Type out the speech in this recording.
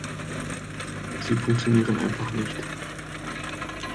Sie funktionieren einfach nicht.